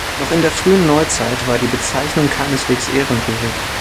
Noch in der Frühen Neuzeit war die Bezeichnung keineswegs ehrenrührig.